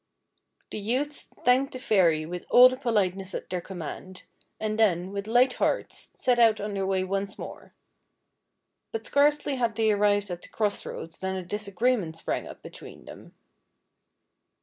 The youths thanked the fairy with all the politeness at their command, and then, with light hearts, set out on their way once more ; but scarcely had they arrived at the cross roads than a disagreement sprang up between them.